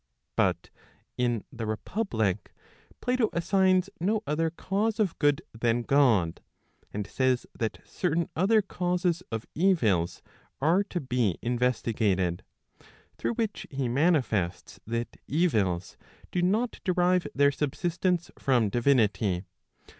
But in the Republic, Plato assigns no other cause of good than God, and says that certain other causes of evils are to be investigated; through which he manifests that evils do not derive their subsistence from divinity.